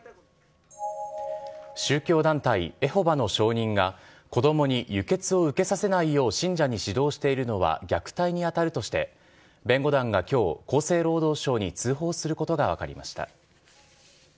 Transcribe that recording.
宗教団体、エホバの証人が、子どもに輸血を受けさせないよう信者に指導しているのは虐待に当たるとして、弁護団がきょう、厚生労働省に通報することが分かりました。